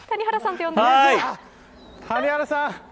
谷原さん。